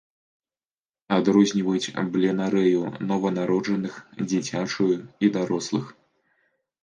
Адрозніваюць бленарэю нованароджаных, дзіцячую і дарослых.